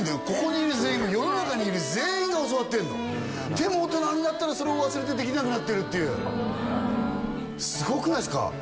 ここにいる全員が世の中にいる全員が教わってんのでも大人になったらそれを忘れてできなくなってるっていうすごくないすか？